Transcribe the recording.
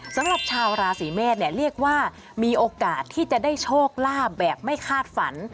สำหรับชาวราศีเมษเนี่ยเรียกว่ามีโอกาสที่จะได้โชคลาภแบบไม่คาดฝัน